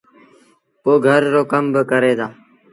پو گھر رو ڪم با ڪريݩ دآ۔